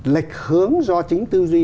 lệch hướng do chính tư duy